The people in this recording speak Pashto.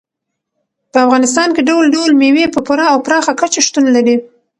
په افغانستان کې ډول ډول مېوې په پوره او پراخه کچه شتون لري.